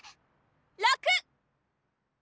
６！